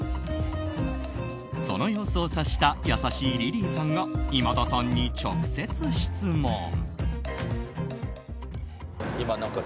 その様子を察した優しいリリーさんが今田さんに直接質問。